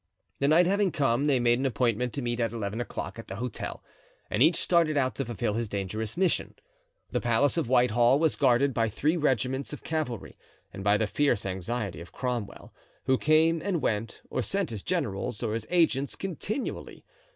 The night having come they made an appointment to meet at eleven o'clock at the hotel, and each started out to fulfill his dangerous mission. The palace of Whitehall was guarded by three regiments of cavalry and by the fierce anxiety of Cromwell, who came and went or sent his generals or his agents continually.